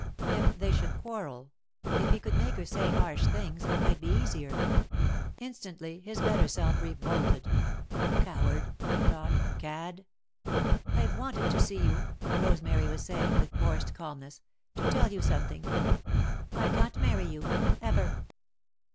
If they should quarrel if he could make her say harsh things, it might be easier. Instantly his better self revolted. "Coward!" he thought. "Cad!" "I've wanted to see you," Rosemary was saying, with forced calmness, "to tell you something. I can't marry you, ever!"